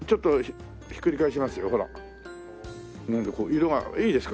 色がいいですか？